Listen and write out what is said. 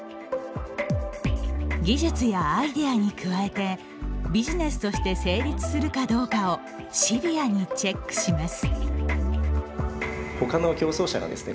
技術やアイデアに加えてビジネスとして成立するかどうかをシビアにチェックします。